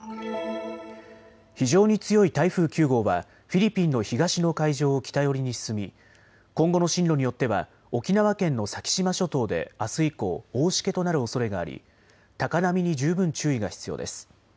非常に強い台風９号はフィリピンの東の海上を北寄りに進み今後の進路によっては沖縄県の先島諸島であす以降、大しけとなるおそれがあり高波に十分注意が必要です。